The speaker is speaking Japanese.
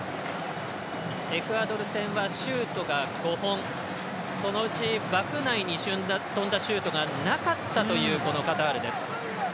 エクアドル戦はシュートが５本そのうち枠内に飛んだシュートがなかったというカタールです。